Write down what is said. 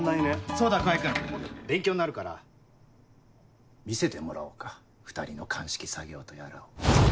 そうだ川合君勉強になるから見せてもらおうか２人の鑑識作業とやらを。